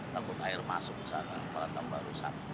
takut air masuk ke sana perang tanpa rusak